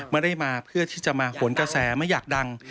ไม่ได้มาเพื่อที่จะมาโหนกระแสไม่อยากดัง